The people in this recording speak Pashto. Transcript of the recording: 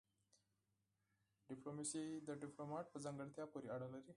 ډيپلوماسي د ډيپلومات په ځانګړتيا پوري اړه لري.